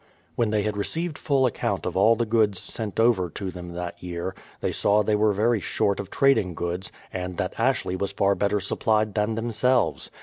When they had received full account of all the goods sent over to them that year, they saw they were very short of trading goods, and that Ashley was far better supplied than themselves.